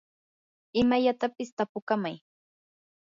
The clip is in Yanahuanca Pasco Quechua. imallatapis tapukamay.